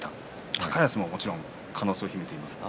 高安ももちろん可能性を秘めていますか。